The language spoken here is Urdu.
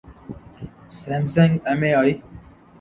Samsung M A E